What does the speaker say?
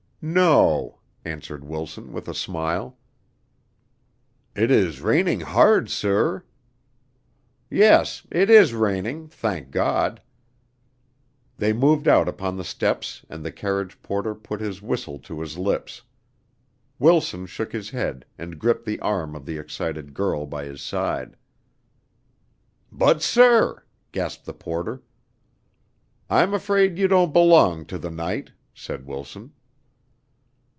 "No," answered Wilson, with a smile. "It is raining hard, sir?" "Yes, it is raining, thank God." They moved out upon the steps and the carriage porter put his whistle to his lips. Wilson shook his head and gripped the arm of the excited girl by his side. "But, sir " gasped the porter. "I'm afraid you don't belong to the night," said Wilson.